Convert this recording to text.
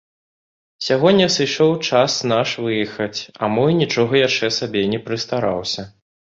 Сягоння сышоў час наш выехаць, а мой нічога яшчэ сабе не прыстараўся.